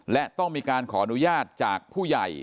และต้องมีการขออนุญาตจากผู้ใหญ่